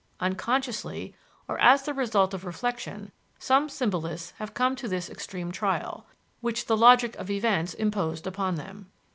Unconsciously or as the result of reflection some symbolists have come to this extreme trial, which the logic of events imposed upon them.